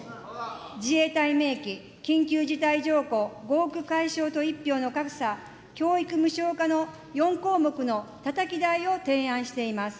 自衛隊明記、緊急事態条項、合区解消と１票の格差、教育無償化の４項目のたたき台を提案しています。